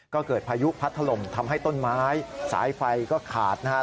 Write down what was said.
ก็เกิดพายุพัดถล่มทำให้ต้นไม้สายไฟก็ขาดนะครับ